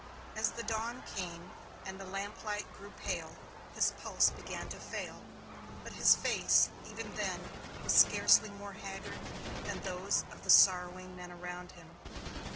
As the dawn came and the lamplight grew pale, his pulse began to fail; but his face, even then, was scarcely more haggard than those of the sorrowing men around him.